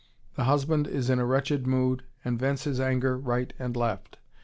The husband is in a wretched mood and vents his anger right and left.